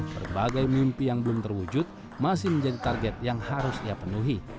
berbagai mimpi yang belum terwujud masih menjadi target yang harus ia penuhi